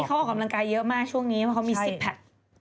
นี่เขาออกกำลังกายเยอะมากช่วงนี้เขามี๑๐แพซ